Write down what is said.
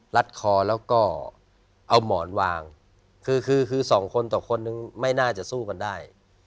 รัดคอแล้วก็เอาหมอนวางคือคือสองคนต่อคนนึงไม่น่าจะสู้กันได้